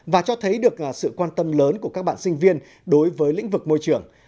và cho thấy được sự quan tâm lớn của các bạn sinh viên đối với lĩnh vực môi trường